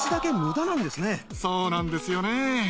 そうなんですよね。